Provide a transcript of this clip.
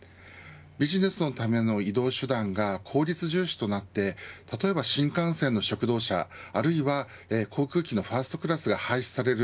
ビジネスのための移動手段が効率重視となって例えば新幹線の食堂車あるいは航空機のファーストクラスが廃止される。